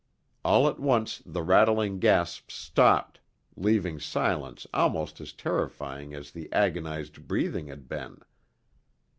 All at once the rattling gasps stopped, leaving silence almost as terrifying as the agonized breathing had been.